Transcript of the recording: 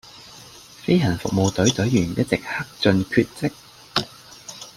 飛行服務隊隊員一直克盡厥職